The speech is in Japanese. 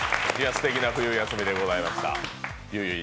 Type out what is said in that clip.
すてきな冬休みでございました。